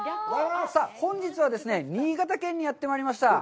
さあ、本日は新潟県にやってまいりました。